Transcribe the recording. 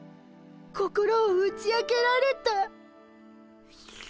心を打ち明けられた。